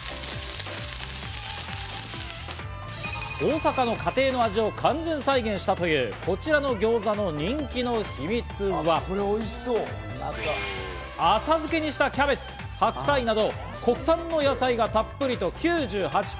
大阪の家庭の味を完全再現したという、こちらのギョーザの人気の秘密は浅漬けにしたキャベツ、白菜など国産の野菜がたっぷりと９８％。